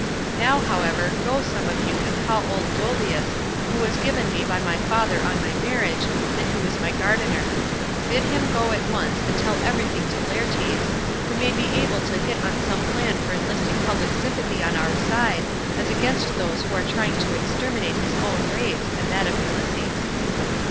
Now, however, go some of you and call old Dolius, who was given me by my father on my marriage, and who is my gardener. Bid him go at once and tell everything to Laertes, who may be able to hit on some plan for enlisting public sympathy on our side, as against those who are trying to exterminate his own race and that of Ulysses."